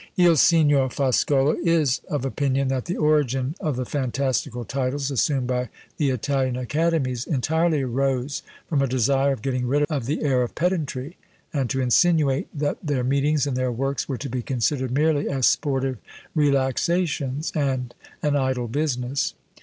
Il Sigr. Foscolo is of opinion that the origin of the fantastical titles assumed by the Italian academies entirely arose from a desire of getting rid of the air of pedantry, and to insinuate that their meetings and their works were to be considered merely as sportive relaxations, and an idle business.